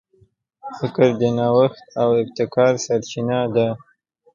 فکر د نوښت او ابتکار سرچینه ده.